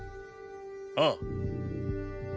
ああ。